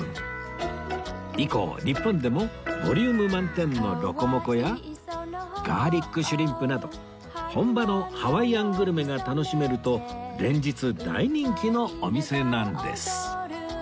以降日本でもボリューム満点のロコモコやガーリックシュリンプなど本場のハワイアングルメが楽しめると連日大人気のお店なんです